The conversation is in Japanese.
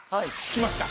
きました。